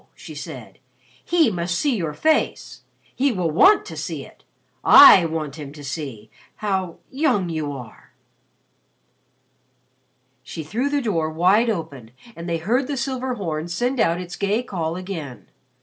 she said. "He must see your face. He will want to see it. I want him to see how young you are." She threw the door wide open and they heard the silver horn send out its gay call again.